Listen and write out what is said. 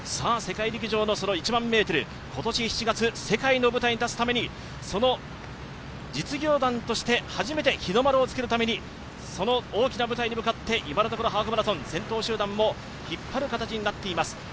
世界陸上の１００００ｍ、今年７月世界の舞台に立つために実業団としての初めて日の丸をつけるためにその大きな舞台に向かって、今のところハーフマラソン先頭集団を引っ張る形になっています。